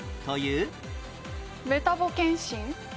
メタボ健診？